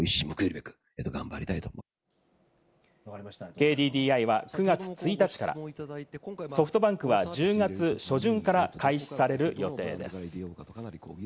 ＫＤＤＩは９月１日から、ソフトバンクは１０月初旬から開始される予定です。